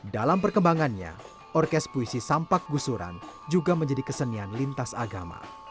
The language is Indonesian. dalam perkembangannya orkes puisi sampak gusuran juga menjadi kesenian lintas agama